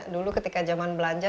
dulu ketika zaman belanja